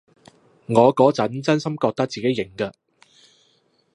我嗰陣真心覺得自己型㗎